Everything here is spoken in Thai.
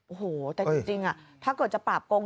โอ้โหแต่จริงถ้าเกิดจะปราบโกง